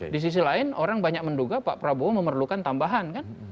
di sisi lain orang banyak menduga pak prabowo memerlukan tambahan kan